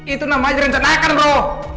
itu namanya rencana akan bro